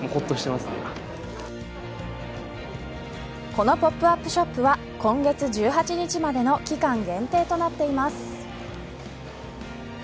このポップアップショップは今月１８日までの期間限定となっています。